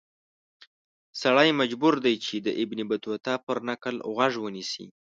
سړی مجبور دی چې د ابن بطوطه پر نکل غوږ ونیسي.